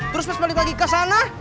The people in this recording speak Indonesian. terus balik lagi ke sana